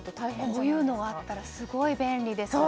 こういうのがあったらすごい便利です。